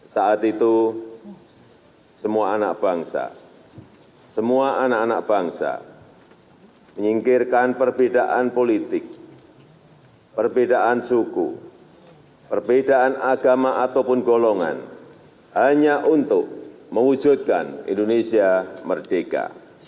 saat itu semua anak bangsa semua anak anak bangsa menyingkirkan perbedaan politik perbedaan suku perbedaan agama ataupun golongan hanya untuk mewujudkan indonesia merdeka